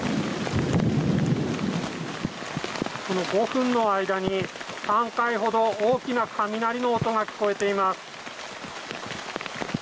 ５分の間に３回ほど大きな雷の音が聞こえています。